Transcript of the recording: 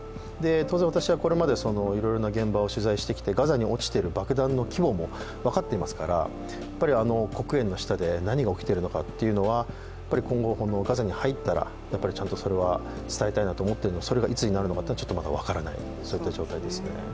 当然私はこれまでいろいろな現場を取材してきてガザに落ちている爆弾の規模も分かっていますから黒煙の下で何が起きてるのかっていうのは今後ガザに入ったら、ちゃんとそれは伝えたいなと思っているそれがいつになるのかというのはまだ分からないといった状態ですね。